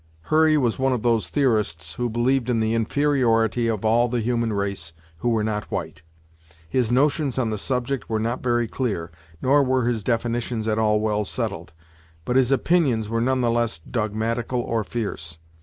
Hurry was one of those theorists who believed in the inferiority of all the human race who were not white. His notions on the subject were not very clear, nor were his definitions at all well settled; but his opinions were none the less dogmatical or fierce.